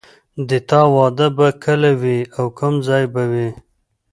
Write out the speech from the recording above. د تا واده به کله وي او کوم ځای به وي